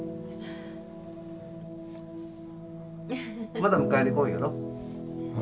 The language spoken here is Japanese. まだ迎えに来んやろ？